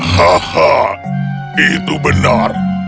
haha itu benar